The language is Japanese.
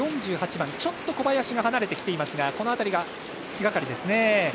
４８番、ちょっと小林が離れてきていますがこの辺りが気がかりですね。